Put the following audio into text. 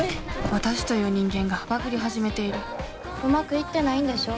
私という人間がバグり始めているうまくいってないんでしょ？